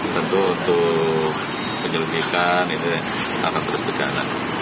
tentu untuk penyelidikan ini akan terus berjalan